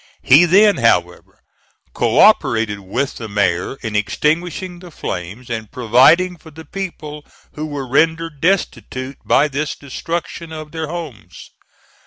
He then, however, co operated with the mayor in extinguishing the flames and providing for the people who were rendered destitute by this destruction of their homes.